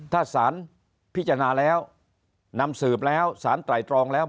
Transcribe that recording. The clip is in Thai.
ถ้าสารพิจารณาแล้วนำสืบแล้วสารไตรตรองแล้ว